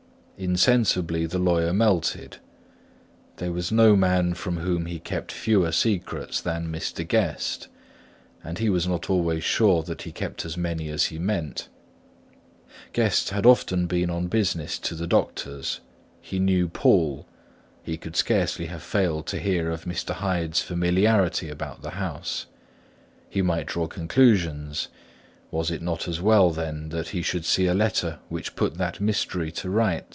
Insensibly the lawyer melted. There was no man from whom he kept fewer secrets than Mr. Guest; and he was not always sure that he kept as many as he meant. Guest had often been on business to the doctor's; he knew Poole; he could scarce have failed to hear of Mr. Hyde's familiarity about the house; he might draw conclusions: was it not as well, then, that he should see a letter which put that mystery to right?